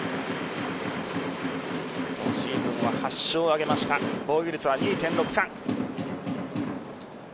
今シーズンは８勝を挙げました防御率は２．６３。